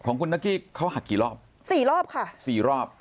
ของคุณนั๊กกี้เขาหักกี่รอบ๔รอบค่ะ๔รอบ